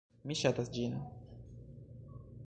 Mi ŝatas ĝin